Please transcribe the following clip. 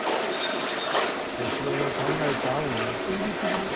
小四郎の考えた案を受け入れてくれ。